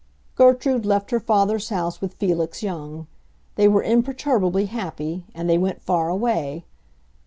Gertrude left her father's house with Felix Young; they were imperturbably happy and they went far away.